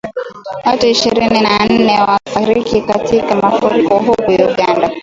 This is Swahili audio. Watu ishirini na nne wafariki katika mafuriko huko Uganda.